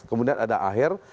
kemudian ada aher